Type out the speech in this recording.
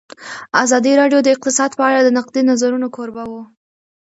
ازادي راډیو د اقتصاد په اړه د نقدي نظرونو کوربه وه.